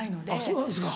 そうなんですか。